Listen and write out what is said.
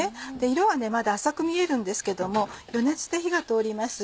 色はまだ浅く見えるんですけども余熱で火が通ります。